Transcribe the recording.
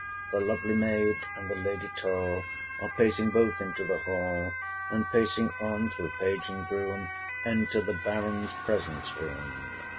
The lovely maid and the lady tall Are pacing both into the hall, And pacing on through page and groom, 395 Enter the Baron's presence room.